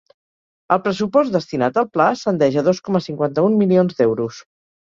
El pressupost destinat al pla ascendeix a dos coma cinquanta-un milions d’euros.